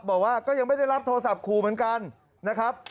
บอกว่าก็ยังไม่ได้รับโทรศัพท์ขู่เหมือนกันนะครับ